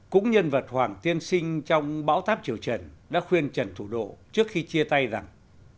cũng nhân vật hoàng tiên sinh trong bão tháp triều trần đã khuyên trần thủ độ trước khi chia tay rằng